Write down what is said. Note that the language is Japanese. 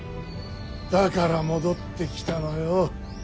だから戻ってきたのよ。